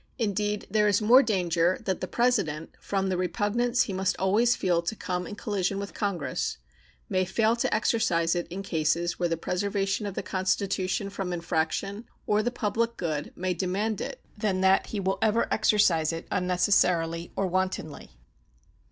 Indeed, there is more danger that the President, from the repugnance he must always feel to come in collision with Congress, may fail to exercise it in cases where the preservation of the Constitution from infraction, or the public good, may demand it than that he will ever exercise it unnecessarily or wantonly.